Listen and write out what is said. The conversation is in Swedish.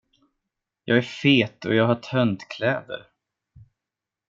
Jag är fet och jag har töntkläder.